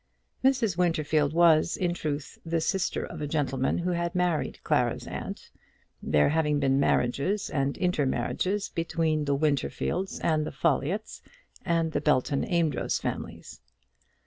Mrs. Winterfield was, in truth, the sister of a gentleman who had married Clara's aunt, there having been marriages and intermarriages between the Winterfields and the Folliotts, and the Belton Amedroz families.